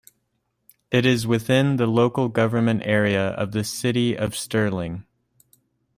It is within the local government area of the City of Stirling.